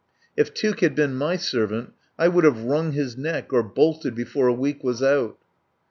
If Tuke had been my servant I would have wrung his neck or bolted before a week was out.